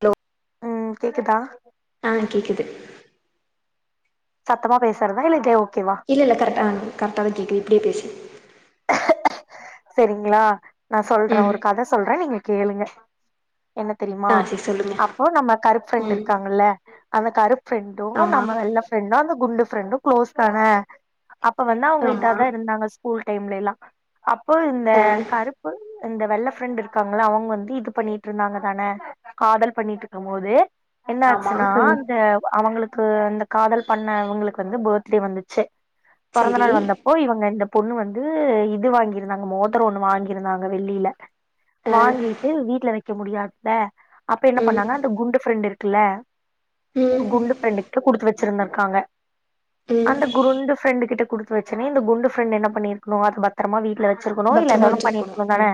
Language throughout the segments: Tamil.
ஹலோ உம் கேக்குதா ஆஹ் கேக்குது சத்தமா பேசுறதா இல்ல கே ஒ இல்லயில்ல கரெக்ட்டா கரெக்ட்டாதா கேக்குது அப்டியே பேசு சரிங்கிளா நா சொல்றே ம் ஒரு கதை சொல்றேன் நீங்க கேளுங்க என்ன தெரியுமா ஆ சரி சொல்லுங்க அப்போ நம்ம கருப்புபிரெண்ட் ம் இருக்காங்கல்ல அந்த கருப் ஃப்ரெண்டும் ஆமா நம்ம வெல்ல ஃப்ரெண்ட அந்த குண்டு ஃபிரண்டும் குளோஸ்தானே அப்ப வந்து அவங்கிட்ட ஆமா இத தான் இருந்தாங்க ஸ்கூல் டைம்ல எல்லா அப்போ இந்த ஆ கருப்பு இந்த வெள்ள ஃப்ரெண்ட் இருக்காங்கள அவங்க வந்து இது பண்ணிட்டுயிருந்தாங்க தானே காதல் பண்ணிட்டுயிருக்கும் போது என்ன ஆமா ஆச்சுன்னா ஆ அந்த அவங்களுக் க்கு அந்த காதல் பண்ணவங்களுக்கு வந்து பர்த்டே வந்துச்சு பொறந்தநாள் சரி நாள் வந்தப்போ இவங்க இந்த பொண்ணு வந் து இது வாங்கியிருந்தாங்க மோதிரம் ஒண்ணு வாங்கியிருந்தாங்க வெள்ளியில ஆ வாங்கிட்டு வீட்டுல வெ வெக்க முடியாத்த அப்ப என்ன ம் பண்ணாங்க அந்த குண்டு ஃபிரண்ட்டு இருக் க்ல ம் குண்டு ஃபிரெண்டுக்கிட்ட குடுத்து வெச் வச்சிருந்திருக்காங்க ம் அந்த குருண்டு ஃப்ரெண்டு கிட்ட கொடுத்து வச்சே இந்த குண்டு பிரண்ட் என்ன பண்ணி க்குனு பத்திரமா வீட்டுல வெ வெச்சிருக்கணோ இல்ல பத்திரமா எதாவது வச்சிருக்கணு பண்ணிருக்கணோதான ம்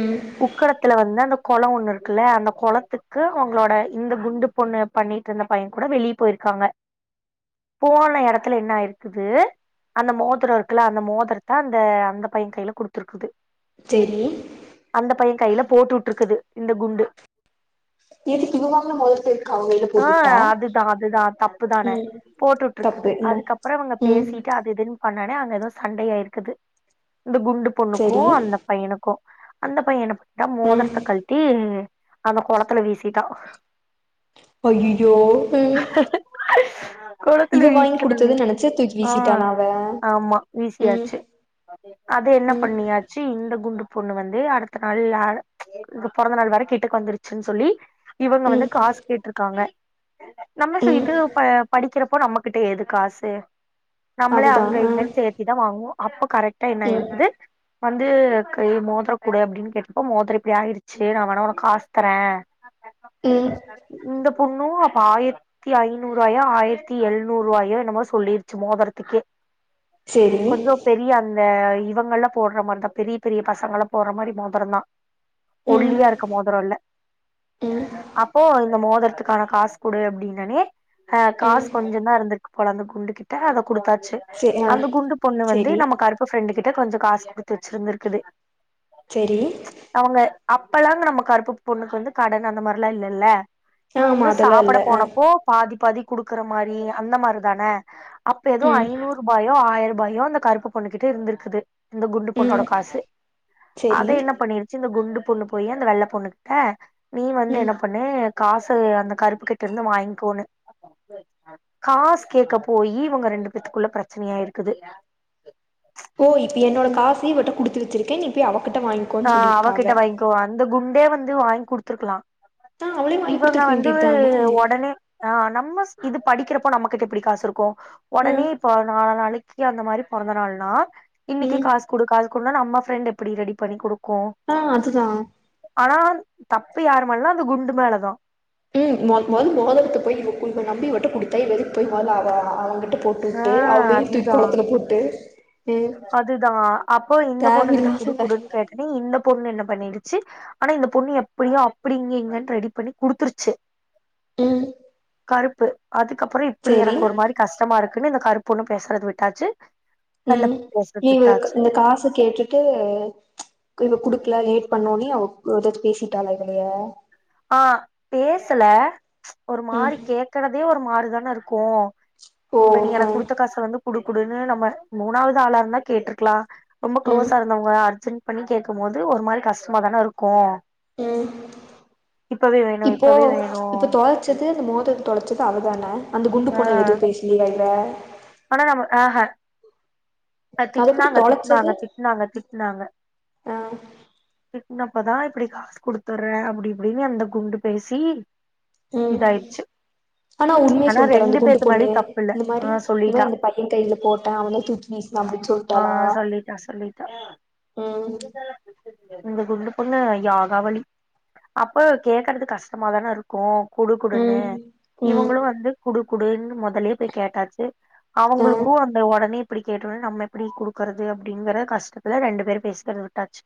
ம் குக்கடத்துல வந்து அந்த குள ஒண்ணு இருக்குல்ல அந்த குளத்துக்கு அவங்களோட இந்த குண்டு பொண்ணு பண்ணிட்டு இருந்த பையன் கூட வெளியே போயிருக்காங்க போன இடத்துல என்னயிருக்குது அந்த மோதரம் இருக்குல்ல அந்த மோதரத் தான் அந்த அந்த பையன் கையில குடுத்துருக்குது சரி அந்த பைய கையில போட்டு விட்டு இருக்குது இந்த குண்டு எதுக்கு இவ வாங்குன மொதல் பேருக்கு அவ கைல ஆ போட்டுவுட்டா அதுதா அதுதா தப்புதான ம் போட்டுவிட்டுருக்குது தப்பு ம் அதுக்கப்புறோ அவங்க ம் பேசிட்டு அது இதுன்னு பண்ணே அங்க எதே சண்டை ஆயிருக்கு கது இந்த குண்டு சரி பொண்ணுக்கும் அந்த பையனுக்கு அந்த பையன் என்ன கரெக்ட்டா ம் மோதிரத்த கலட்டி அந்த கொளத்துல வீசிட்டா அய்யயோ ம் ஆ குளத்துல இவ வாங்கி வீசுனோனே குடுத்ததுன்னு நெனச்சு தூக்கி வீசிட்டானா அவ ஆமா உம் வீசியாச்சு அது என்ன பண்ணியாச்சு அந்த குண்டு பொண்ணு வந்து அடுத்த நாள் அதா இது பொறந்த நாள் வர கிட்டக்கு வந்துருச்சுன்னு சொல்லி இவங்க வந்து ம் காசு கேட்டு காங்க நம்ம சேரி ம் இது ப படிக்கிறப்போ நம்மகிட்ட ஏது காசு நம்மளே அங்க அதுதான் ஆ இங்கன்னு சேர்த்தி தான் வாங்குவோ அப்ப கரெக் என்ன ம் இருக்குது வந்து கை மோதிர கூடு அப்படின்னு கேட்டப்போ மோதிரம் இப்படி ஆயிடுச்சு நான் வேணா உனக்கு காசு தறே ம் இந்த புண்ணு ஆயிரத்தி ஐநூறுரூவாயோ ஆயிரத்தி எழுநூறுரூவாயோ என்னமோ சொல்லிருச்சு மோதரத்துக்கே சேரி அந்த இவங்கலாம் போடுற மாதிரி தான் பெரிய பெரிய பசங்க போடுற மாதிரி மோதிரம் தான் ம் ஒல்லியா இருக்க மோதிரம் இல்ல ம் அப்போ இந்த மோதிரத்துக்கான காசு குடு அப்படின்னனே ம் காசு கொஞ்சம் தான் இருந்திருக்கு போல அந்த குண்டு கிட்ட அதை குடுத் தாச்சு சே ஆ அந்த குண்டு பொண்ணு வந்து செரி நம்ப கருப்பு ஃபிரெண்டுக்கிட்ட கொஞ்சம் காசு கொடுத் து வச்சிருந்திருக்குது செரி அவங்க அப்பல்லா நம்ம கருப்பு பொண்ணுக்கு வந்து கடன் அந்த மாதிரிலா இல்லல்ல இவங்க ஆமா எங்க அதெல்லா இல்ல சாப்பிட ஆ போனப்போ பாதி பாதி குடுக்கற மாதிரி அந்த மாதிரி தான அப்பயெதோ ம் ஐநூறுரூபாயோ ஆயிர பயோ அந்த கருப்பு பொண்ணுகிட்ட இருந்திருக்குது இந்த குண்டு பொண்ணோட ம் காசு அத செரி என்ன பண்ணிருச்சு இந்த குண்டு பொண்ணு போயி அந்த வெள்ள பொண்ணுகிட்ட நீ வந்து ம் என்ன பண்ணு காசு அந்த கருப்பு கிட்ட இருந்து வாங்கிக்கோணு காசு கேட்க போயி இவங்க ரெண்டு பேத்துக்குள்ள பிரச்சனையா இருக்குது ஓ இப்ப என்னோட காசையும் விட்ட குடுத்துரு வச்சிருக்கேன் இப்ப அவ ஆ அவகிட்ட வாங்கிக்கோ அந்த குண்டே வந்து வந்து வாங்கி கொடுத்துருக்கலாம் ஆ அவளே வாங்கி இவங்க குடுத்துருக்க வந்து வேண்டியது தானே உடனே ஆ நம்ம இது படிக்கிறப்போ நம்மகிட்ட எப்படி காசு இருக்கு உடனே ம் இப்ப நாலு நாளைக்கு க்கி அந்த மாதிரி பிறந்த நாள்ன்னா இன்னைக்கு ம் காசு குடு காசு கொடுன்னா நம்ம பிரெட் எப்படி ரெடி பண்ணி கொடுக் கு ஆ அதுதா ஆனா தப்பு யாரு மேலா அது குண்டு மேலதா உம் மாதகத்தை போய் கு நம்பி வி குடுத்தாய வெய் அ [unintelligible] வங்கிட்ட அஹ் அதுதான் ம் அதுதான் அப்போ இந்த பொண்ணு கிட்ட தேவையில்லாத கஷ் கொடுக்கடுன்னு கேட்டனே இந்த பொண்ணு என்ன பண்ணிடு ச்சு ஆனா இந்த பொண்ணு எப்படியோ அப்படிங்க இங்கு ரெடி பண்ணி குடுத்துருச்சு ம் கருப்பு அதுக் அப்பறம் இப்படி செரி எனக்கு ஒரு மாரி கஷ் இருக்குன்னு இந்த கருப்புண்ணு பேசுறது விட்டாச்சு வெள்ள உம் பொண்ணு பேசுறது நீ இவ விட்டாச்சு இந்த காசை கேட்டுட்டு இவ குடு லேட் பண்ணோன்னே அவ ஏதாச்சும் பேசிட்டாளா இவலயே ஆஹ் பேசல ஒரு ம் மாரி கேக்குறதே ஒரு மாரி அதான இருக்கும் ஓ அப்ப நீ ஆ எனக்கு கொடுத்த காச வந்து குடு குடுனு நம்ம மூணாவது ஆளா இருந்தா கேட்டிருக்கலாம் ரொம்ப ம் குளோஸா இருந்தவங்க அர்ஜென் பண்ணி கேட்கும் போது ஒரு மாரி கஷ்டமா தானே இருக்கும் உம் வேணு இப்போ இப்பவே வேணு இப்போ தொலைச்சது அந்த மோதர தொலைச்சது அவதான அந்த குண்டு பொண்ண ஆ எதுவும் பேசலியா [unintelligible] ஆனா நம ஆஹா அது எப்டி திட்டுனாங்க தொலைச்சது திட்டுனாங்க திட்டுனாங்க திட்டுனாங்க ஆ ன்னப்பதான் இப்படி காசு குடுத்துர்றேன் அப்படி இப்படின்னு அந்த குண்டு பேசி உம் இதாயிடுச்சு ஆனா உண்மைய சொல்லிட்டறேன் அந்த ரெண்டு குண்டு பேத்து பொண்ணு மேலயு தப்பில்ல இந்த ஆ மாரி இந்த மாரி சொல்லிட்டா இந்த பையன் கையில போட்டேன் அவனால தூச்சி வீசினான் அப்பின்னு சொன் ஆஹ் சொல்லிட்டா சொல்லிட்டா ம் இந்த குண்டு பொண்ணு யாகாவளி அப்ப கேக்குறது கஷ்டமாதானே இருக்கும் குடுக்குடுனு ம் ம் இவங்களும் வந்து குடு குடுன்னு முதலே போய் கேட்டாச்சு ம் அவங்களுக்கும் அந்த உடனே அப்டி கேட்ட ஒடனே நம் அப்படி குடுக்குறது அப்படிங்கற கஷ்டத்துல ரெண்டு பேர் பேசுறது விட்டாச்சு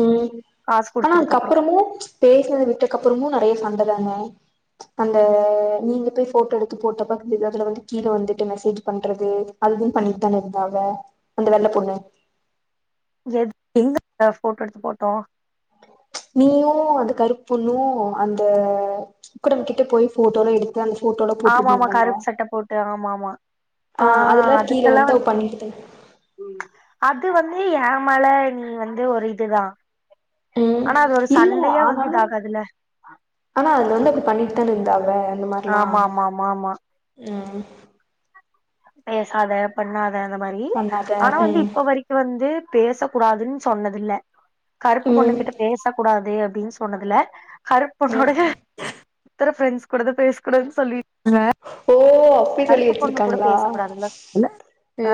உம் காசு ஆனா குடுத்ததுக்கு அப்றோ அதுக்கப்பறமும் பேசலது விட்டக்கப்பறமும் நிறைய சண்டைதாங்க அந்த நீங்க போய் போட்டோ எடுத்து போட்டப்ப அதுல வந்து கீழே வந்துட்டு மெசேஜ் பண்றது அதுது பண்ணிட்டு தானே இருந்தாங்க அந்த வெள்ளை பொண்ணு எது எங்கபுள்ளா போட்டோ எடுத்து போட்டோம் நீயும் அந்த கருப்புன்னும் அந்த உக்கடம் கிட்ட போய் போட்டோலாம் எடுத் ஆமா ஆமா கருப்பு சட்டை போட்டு ஆமா மா ஆ அதுலயே கீழ வந்து பண்ணிட்டுதேன் ம் அது வந்து ஏன் மேல நீ வந்து ஒரு இதுதான் உம் இல்லல்ல ஆனாலும் இதாகாதுல ஆனா அதுல வந்து தணி தணி பேகா இந்த மாரிலாம் ஆமா ஆமா ஆமா ஆமா ம் பேசாத பண்ணா த அந்த மாரி பண்ணாத ஆனா வந்து ம் இப்ப வரைக்கும் வந்து பேச கூடாதுன்னு சொன்னதில்ல கருப்பு ம் பொண்ணுகிட்டு பேசக் கூடாது அப்படின்னு சொன்னதுல கருப் ம் பெண்ணோட இருக்குற ஃப்ரெண்ட்ஸ் கூடதான் பேசகூடாதுன்னு சொல்லிருக்காங்க ஓ அப்பி சொல்லி கருப்பு பொண்ணு வச்சிருக்காங்க கூட பேசக்கூடாதுல்ல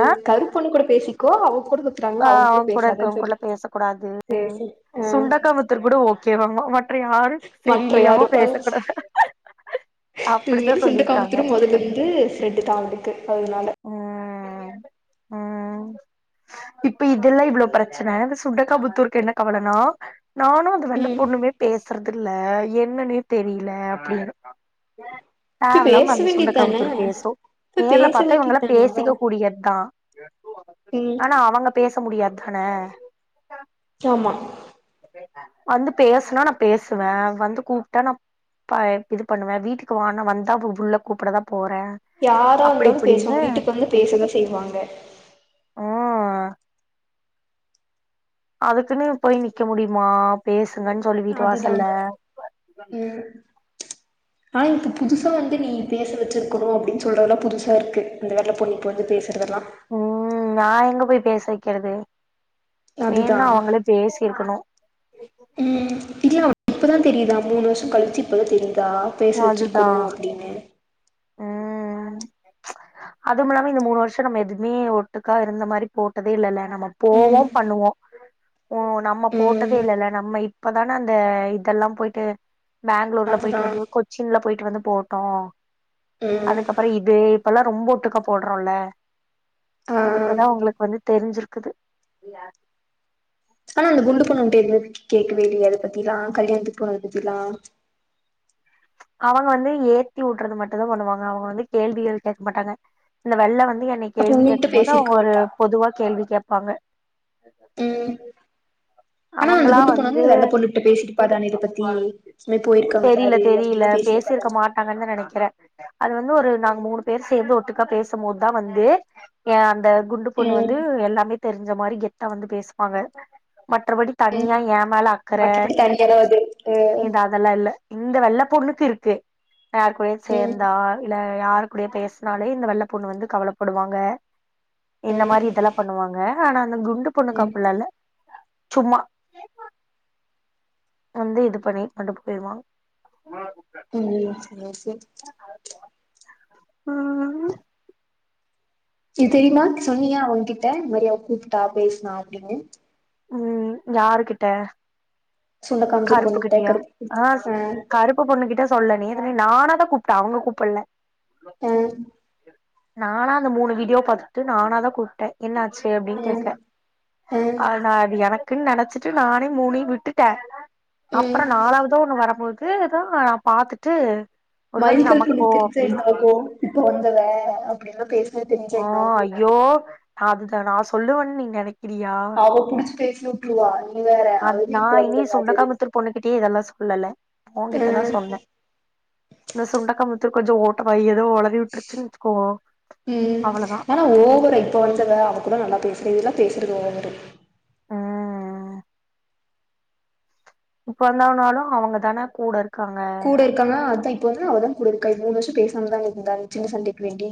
ஆ கருப்பொண்ணு கூட பேசிக்கோ அவ கூட ஆ சுத்துறாங்களா அவங்க அவுங்க கூட இருக்க பேசாதன்னு அவுங்க சொல்லி கூடலாம் பேசக் கூடாது சேரி சேரி ஆ சுண்டக்காமத்தர் கூட ஓகேவாமா மற்ற யாரும் மற்ற சரியில்லையாமா யாரு ஆ பேசக்கூடாது [inaudible] அப்படித்தான் சொல்லி இருக்காங்க கு ரெட்டுதா இருக்கு அதனால ம் ம் இப்ப இதெல்லா இவ்வளோ பிரச்சன இந்த சுண்டகாபுத்தூருக்கு என்ன கவலனா நானு அந்த வெள்ள ம் பொண்ணுமே பேஸ் சுறது இல்ல என்னன்னே தெரியல அப்டின்னு இப்ப தேவல்லாம பேச அந்த வேண்டியதான சுண்டக்காமுத்தூர் பேசு இப்ப நேர்ல பேச பாத்த இவங்களா வேண்டியதான அவ பேசிக்க கூடியதா ம் ஆனா அவங்க பே பேச முடியாதுதான கிஆமா வந்து பேசுன்னா நா பேசுவ வந்து கூப்ட்டா நா இது பண்ணுவ வீட்டுக்கு வானா வந்தா உள்ள கூப்புடுவ யாரா இருந்தாலும் பேசுவாங்க வீட்டுக்கு வந்து பேசதா செய்வாங்க அ அதுக்குன்னு போய் நிக்க முடியுமா பேஸ் இருங்கன்னு சொல்லி வீட்டு அதுதா வாசல்ல ம் ஆனா இப்ப புதுசா வந்து நீ பேச வச்சுருக்குணு அப்டின்னு சொல்றதுல்லா புதுசா இருக்கு அந்த வெள்ள பொண்ணு இப்ப வந்து பேசுறதெல்லா உம் நான் எங்க போய் பேச வைக்கிறது அதுதா வேண்ணா அவுங்களே பேசிருக்கணும் தெரியுதா இப்ப தான் தெரியுதா மூணு வருஷம் கழச்சு இப்போ தெரியுது நா பேசி வச்சிருக்கணும் அப்படின்னு உம் அது மாரி இந்த மூணு வருஷம் நம்ம எதுவுமே ஒட்டுக்கா இருந்த மாரி போட்டதே இல்லல்ல நம்ம ம் போவோம் பண்ணுவோம் நம்ம போட்டதே ம் இல்லல்ல நம்ம இப்ப தானே அந்த இதெல்லாம் போயிட்டு பெங்களூர்லா அதுதா போயிட்டு வந்து கொச்சின்லா போயிட்டு வந்து போனும் ஆ ம் அதுக்கப்புற இது இப்பல்லா ரொம்ப ஒட்டுக்கா போடுறோம்ல ஆ இப்பதா அவுங்களுக்கு வந்து தெரிஞ்சிருக் க்குது ஆனா அந்த குண்டு பொண்ணு உன்ட்ட எதுமே கேக்கவே இல்லயா அத பத்திலா கல்யாணத்துக்கு போனத பத்திலா அவங்க வந்து ஏத்தி உடுறது மட்டும்தா பண்ணுவாங்க அவங்க வந்து கேள்விகள் கேக்க மாட்டாங்க இந்த வெள்ள வந் து என்னைய அப்ப கேள்வி உன்கிட்ட கேக்கும் போது அவுங்க பேசிருக்க ஒரு மாட்டா பொதுவா கேள்வி கேப் பாங்க [inaudible] ம் ஆனா அந்த அவங்களா குண்டு பொண்ணு வந்து வெள்ள பொண்ணுகிட்ட பேசிருப்பா தான இத பத்தி இது மாரி போயிருக்காங்க தெரியல பாரு தெரியல அப்டின்லா பேசிருப்பா பேசிருக்க தான மாட்டாங்கன்னுதா நெனைக்கிறே அது வந்து ஒரு நாங்க மூணு பேர் சேந்து ஒட்டுக்கா பேசும்போதுதா வந்து ஏ அந்த குண்டு பொண்ணு ம் வந்து எல்லாமே தெரிஞ்ச மாரி கெத்தா வந்து பேசுவாங்க மற்றபடி தனியா ம் ஏமேல அக்கற மற்றபடி தனியாலா அது அ இது அதெல்லா இல்ல இந்த வெள்ள பொண்ணுக்கு இருக்கு யாரு கூடயே ம் சேந்தா இல்ல யாரு கூடயு பேசுனாலே இந்த வெள்ள பொண்ணு வந்து கவலப்படுவாங்க இந்த ம் மாரி இதெல்லா பண்ணுவாங்க ஆனா இந்த குண்டு பொண்ணுக்கு ம் அப்டிலா இல்ல சும்மா வந்து இது பண்ணி கண்டுட்டு போயிருவாங்க ம் சேரி சேரி உம் [inaudible] இத தெரியுமா சொன்னியா அவுங் ககிட்ட இந்த மாரி அவ கூப்ட்டா பேசுனா அப்டின்னு உம் யாரு கிட்ட சுண்ட காமிச்ச கருப்பு பொண்ணுகிட்ட கிட்டியா கருப்பு ஆஹ் ஆ கருப்பு பொண்ணு கிட்ட சொல்லல நேத்து நீ நானாதா கூப்ட்ட அவுங்க கூப்படல உம் நானா அந்த மூணு வீடியோ பாத்துட்டு நானாதா கூப்ட்டே என்ன ஆ ச்சு அப்டின்னு ஆ கேக்க ஆ அது நா இப்டி எனக் குன்னு நெனச்சிட்டு நானே மூணையு விட்டு த ம் அப்புற நாலாவதா ஒண்ணு வரப்போகுது இதேதா நா பாத்துட்டு ஒருவேள மைக்கல் நமக்கோ புனித்திருத்த என்ன அப்டின்னு ஆகு இப்ப வந்தவ. அஹ அப்படின்ல்லா பேச். ஆஹா ஐயோ அது. நா சொல்லுவன்னு நீங் நெனைக். பாவோ புடிச்சு பேசி. யுட்டுருவா. அ நா இனி சுன்னக்காரமத்தூர் பொண்ணுகிட்டயே இதெல்லா சொல். ல்லல்ல. ஆ ஊங்கிட்டதா சொன்ன. இந்த சுண்டக்காமத்தூர். கொஞ்சோ ஓட்டவாய் ஏதோ ஒளறி வுட்டுருச்சுன் வெச்சுக்கோ. உம் ஆனா ஓவரா இப்ப வந்தவ அவ கூட நல்லா பேசு. [unintelligible] ம் இப்ப வந்தானாலும் அவங்கதான கூட இருக். கூட இருக்காங்க அதா இப். ப்ப அவ தா கூட இருக்கா மூணு வருஷோ பேசாமதா இருந்தாங்க சின்ன சண்டைக்கு வேண்டி.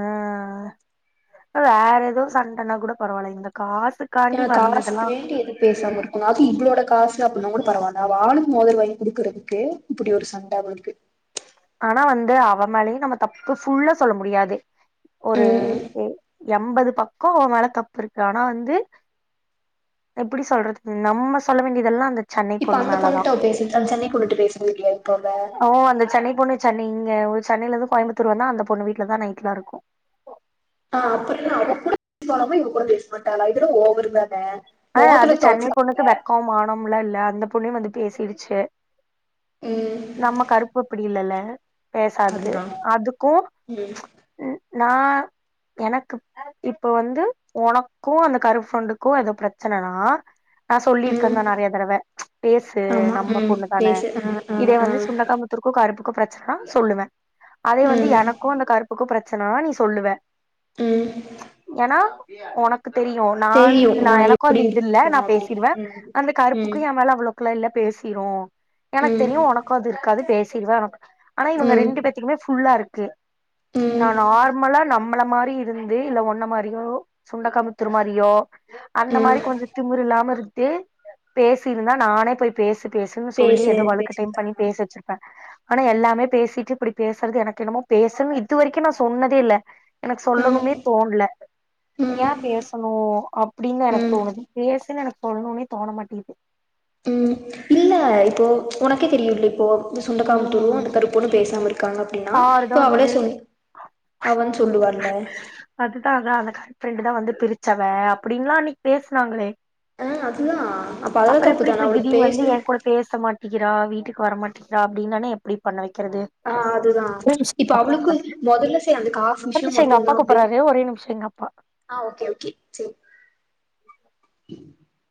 உஹம் வேற ஏதோ சண்டைன்னா கூட பரவால்ல இந்த காசு. ஏன்னா காசுக்கு வேண்டி எது பேசாம இருக்கணு அது இவ்ளோட காசு. அப்டின்னா கூட பரவால்லா அவ ஆளுக்கு மோதுரோ வாங்கி குடுக்குறதுக்கு இப்படி ஒரு சண்ட அவளுக்கு. ஆனா வந்து அவ மேலயு நம்ம தப்பு ஃபுல்லாஸ். சொல்ல முடியாது. ஒரு ம் எ. எம்பது பக்கோ அவ மேல தப்பு இருக்கு ஆனா வந்து எப்படி சொல்றது நம்ம சொல்ல வேண்டியதெல்லா அந்த. சென்னை இப்ப பொண்ணு அந்த மேலதா பொண்ணுட்ட அவ பேசிட்டு அந்த சென்னை பொண்ணுட்ட பேசுறது இல்ல போல. ஓ அந்த சென்னை பொண்ணு சென்னை இங்க சென்னையில இருந்து கோயம்புத்தூர் வந்தா அந்த பொண்ணு வீட்லதா நைட்லா இருக்கு. ஆஹ அப்பறோ என்ன அவ கூட போசாம இவ கூட பேசுவா. ஆஹ அது சென்னை தொலச்சு பொண்ணுக்கு வெக்கோ மானோளா இல்ல அந்த. பொண்ணே வந்து பேசிரூச்சு. ம் நம்ம கருப்பு இப்படி இல்லல்ல. பேசாது அதுதா அதுக்கு ம்ச் ம் உ. நா எனக்கு இப்ப வந்து உனக்கு அந். கரு ஃப்ரெண்டுக்கு எதோ பிரச்சனனா. நா ம் சொல்லியிருக்கதா நெறைய தடவ ம்ச் பேசு ஆமா நம்ம ம் பொண்ணுதான பேசு ஆ ஆ இதே ஆ வந்து சுண்டக்காபுத்தூருக்கு கருப்பு. பிரச்சனனா சொல்லுவ. அதே வந்து ம் எனக்கு அந்த கருப்புக்கு பிரச். ச்சன்னா நீ சொல்லுவ. உம். என்ன உனக்கு தெரியும் நா நா ஆ எனக்கும் எப்டி அந்த இது இல்ல இருக்கு நான் அப்டி பேசிடுவேன் ம் அந்த கருப்புக்கு ம் என் மேல அவ்ளவுளுக்குள்ள இல்ல பேசிரோம் எனக்கு ம் தெரியும் உனக்கும் அது இருக்காது பேசு சிவா [unintelligible] ஆனா இவங்க ம் ரெண்டு பேத்துகுமே புல்லா இருக்கு க்கு நா ம் நார்மலா நம் நம்மள மாரி இருந்து இல்ல ஒன்ன மாரியோ சுண்டைக்கா மூஞ் திரு மாரியோ அந்த ம் மாதரி கொஞ்ச திமிர் இல்லாம இருக் டு பேசிருந்தா நானே போய் பேச பேசுன்னு சொல்லி பேசு ஏதோ வழக்கு கட்டாயம் பண்ணி பேசிட்டாங்க பேச வச்சிருப்பேன் ஆனா எல்லாமே பேசிட்டு இப்படி பேசுறது எனக்கு என்னமோ பேசும்னு இது வரைக்கும் நா சொன்னதே இல்ல எனக்கு ம் சொல்லவுமே தோணல ம் ஏன் பேசணும் அப்படின்னு எனக்கு ம் தோணுது பேசுன்னு எனக் சொல்லணும்ன்னே தோண மாட்டேங்கித்து உம் இல்ல இப்போ உனக்கே தெரியும் இப்டி போ அந்த சுண்டக்காமத்தூரு ம் அந்த கருப்பன்னு பேசாம இருக்காங்க அப்படின்னா சாரு தா இப்போ அவளே வந்து சொல்லி அவ சொல்லுவான்ல ப்ரண்டு தான் வந்து பிரிச்சாங்க அப்படின்லாம் அன்னைக்கு பேசுனாங்களே ஆ அதுதா அப்ப அதெல்லா அப்பறம் எப்டி தப்புதான இப்டி அவளுக்கு திடீர்னு வந்து பேசணு என் கூட பேச மாட்டேங்கிறா வீட்டுக்கு வரமாட்டேங் காரா அப்படின்னுானே எப்டி பண்ண வைக்கிறது ஆஹ் அதுதான் ஒரு நிமிஷோ இப்ப அவளுக்கு முதல்ல செய்ர அந்த காசு ஒரு விஷயம் நிமிஷோ எங்க மட்டும் அப்பா தான் அப்படி கூப்பறாரு ஒரே நிமிஷோ எங்க அப்பா ஆஹ் [inaudible]